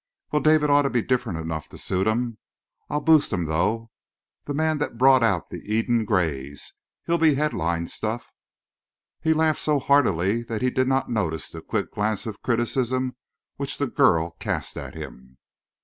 Well, David ought to be different enough to suit 'em. I'll boost him, though: 'The Man that Brought Out the Eden Grays!' He'll be headline stuff!" He laughed so heartily that he did not notice the quick glance of criticism which the girl cast at him.